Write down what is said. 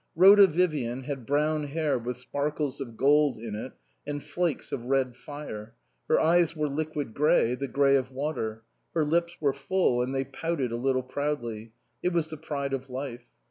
Rhoda Vivian had brown hair with sparkles of gold in it and flakes of red fire ; her eyes were liquid grey, the grey of water ; her lips were full, and they pouted a little proudly ; it was the pride of life.